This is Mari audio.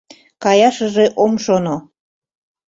Каяшыже ом шоно.